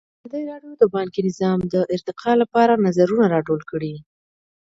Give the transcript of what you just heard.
ازادي راډیو د بانکي نظام د ارتقا لپاره نظرونه راټول کړي.